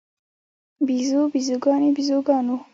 بیزو، بیزوګانې، بیزوګانو